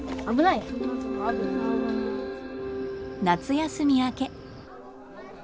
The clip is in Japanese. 夏休み明け。